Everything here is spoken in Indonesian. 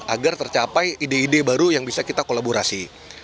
agar tercapai ide ide baru yang bisa kita kolaborasi